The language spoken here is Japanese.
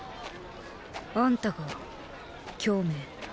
あんたが羌明？